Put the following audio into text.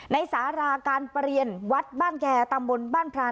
สาราการเปลี่ยนวัดบ้านแก่ตำบลบ้านพราน